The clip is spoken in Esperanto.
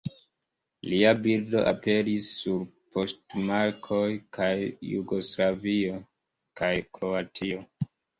Lia bildo aperis sur poŝtmarkoj kaj de Jugoslavio kaj de Kroatio.